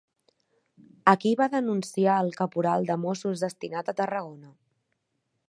A qui va denunciar el caporal de Mossos destinat a Tarragona?